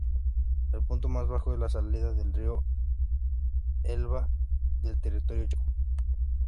El punto más bajo es la salida del río Elba del territorio checo.